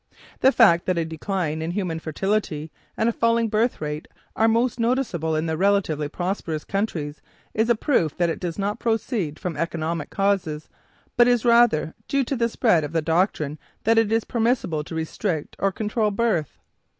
The fact that a decline in human fertility and a falling birth rate are most noticeable in the relatively prosperous countries is a proof that it does not proceed from economic causes; but is due rather to the spread of the doctrine that it is permissible to restrict or control birth.